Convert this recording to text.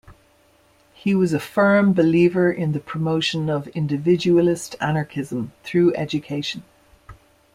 He was a firm believer in the promotion of individualist anarchism through education.